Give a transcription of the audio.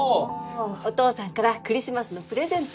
お父さんからクリスマスのプレゼント